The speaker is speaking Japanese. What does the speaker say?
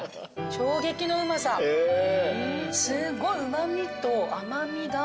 すごいうま味と甘味が。